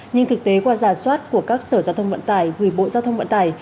nhưng thực tế qua giả soát của các sở giao thông vận tải hủy bộ giao thông vận tải